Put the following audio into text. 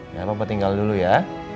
ya papa tinggal dulu ya